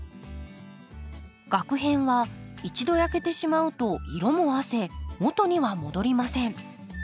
がく片は一度焼けてしまうと色もあせ元には戻りません。